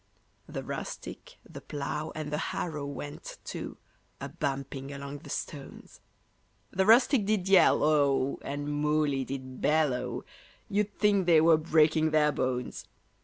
The rustic, the plough and the harrow went, too, A bumping along the stones; The rustic did yell, oh! and Moolly did bellow, You'd think they were breaking their bones.